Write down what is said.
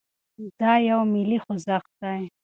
دا يو ملي خوځښت دی.